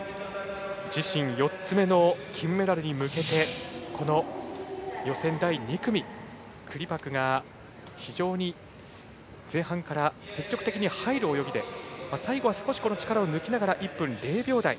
自身４つ目の金メダルに向けてこの予選第２組クリパクが非常に前半から積極的に入る泳ぎで最後は少し力を抜きながら１分０秒台。